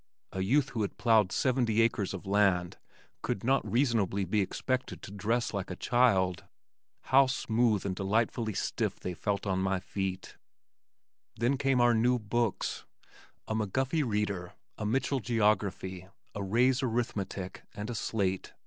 A youth who had plowed seventy acres of land could not reasonably be expected to dress like a child. How smooth and delightfully stiff they felt on my feet. Then came our new books, a McGuffey reader, a Mitchell geography, a Ray's arithmetic, and a slate.